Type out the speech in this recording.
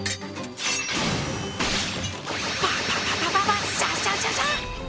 パパパパパパシャシャシャシャ！